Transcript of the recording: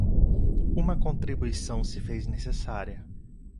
Uma contribuição se fez necessária